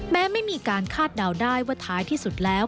ไม่มีการคาดเดาได้ว่าท้ายที่สุดแล้ว